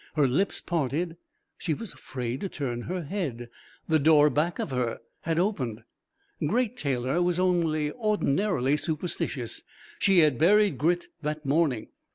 Her lips parted. She was afraid to turn her head. The door back of her had opened. Great Taylor was only ordinarily superstitious. She had buried Grit that morning.